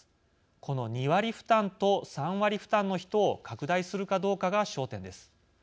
この２割負担と３割負担の人を拡大するかどうかが焦点です。